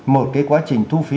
một cái quá trình thu phí